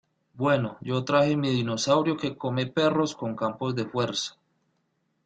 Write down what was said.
Bueno, yo traje mi dinosaurio que come perros con campos de fuerza.